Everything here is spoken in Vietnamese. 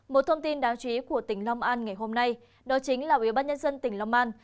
một thông tin đáng chú ý của tỉnh long an ngày hôm nay đó chính là ubnd tỉnh long an